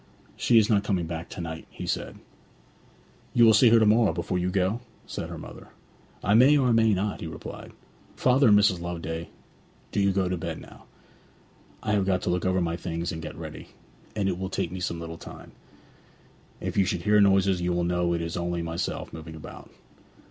'She is not coming back to night,' he said. 'You will see her to morrow before you go?' said her mother. 'I may or I may not,' he replied. 'Father and Mrs. Loveday, do you go to bed now. I have got to look over my things and get ready; and it will take me some little time. If you should hear noises you will know it is only myself moving about.'